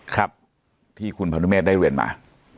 ครับที่คุณพนุเมฆได้เรียนมา